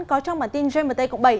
có trong bản tin gmt cộng bảy